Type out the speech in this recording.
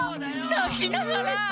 なきながら！